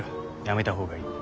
やめた方がいい。